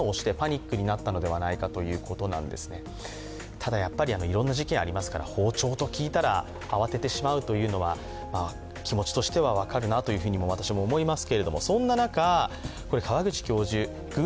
ただやっぱり、いろんな事件がありますから包丁と聞いたら慌ててしまうというのは気持ちとしては分かるなと私も思います。